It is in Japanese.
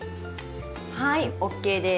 はいＯＫです。